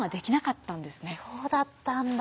そうだったんだ。